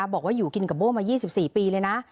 บอกว่าอยู่กินกับโบ้มา๒๔ปีเลยนะ